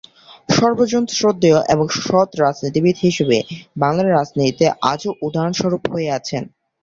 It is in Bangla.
সর্বজনশ্রদ্ধেয় এবং সৎ রাজনীতিবিদ হিসেবে বাংলার রাজনীতিতে আজো উদাহরণস্বরূপ হয়ে আছেন।